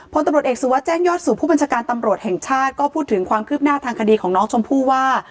พลตำรวจเอกสุวัสดิแจ้งยอดสู่ผู้บัญชาการตำรวจแห่งชาติก็พูดถึงความคืบหน้าทางคดีของน้องชมพู่ว่า